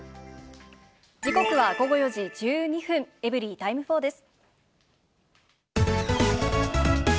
時刻は午後４時１２分、エブリィタイム４です。